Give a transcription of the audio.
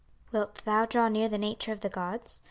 "Wilt thou draw near the nature of the gods?